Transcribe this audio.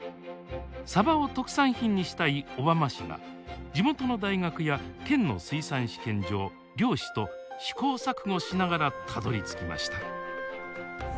サバを特産品にしたい小浜市が地元の大学や県の水産試験場漁師と試行錯誤しながらたどりつきました。